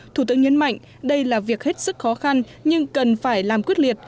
thủ tướng nhấn mạnh đây là việc hết sức khó khăn nhưng cần phải làm quyết liệt